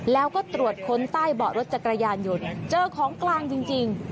แล้วก็ตรวจค้นใต้เบาะรถจักรยานยนต์เจอของกลางจริง